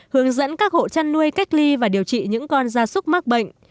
hướng dẫn các hộ chăn nuôi cách ly và điều trị những con da súc mắc bệnh